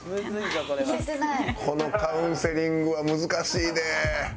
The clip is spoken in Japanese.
このカウンセリングは難しいね。